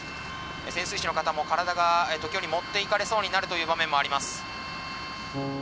潜水士の方も体が時折、持っていかれそうになる場面もあります。